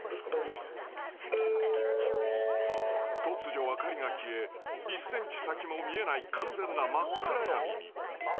［突如明かりが消え１ｃｍ先も見えない完全な真っ暗闇に］